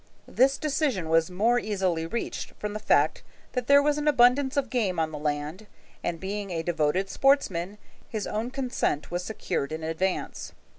This decision was more easily reached from the fact that there was an abundance of game on the land, and being a devoted sportsman, his own consent was secured in advance.